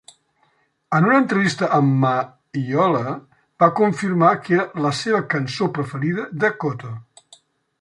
En una entrevista amb Maiola, va confirmar que era la seva cançó preferida de Koto